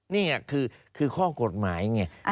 นี่คือข้อกฎหมายเนี่ย